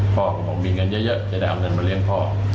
พ่อของผมมีเงินเยอะจะได้เอาเงินมาเลี้ยงพ่อ